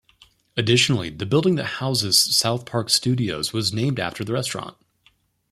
Additionally, the building that houses South Park Studios was named after the restaurant.